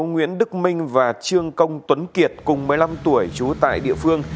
nguyễn đức minh và trương công tuấn kiệt cùng một mươi năm tuổi trú tại địa phương